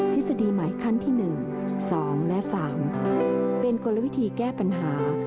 ทฤษฎีใหม่ขั้นที่๑๒และ๓เป็นกลวิธีแก้ปัญหา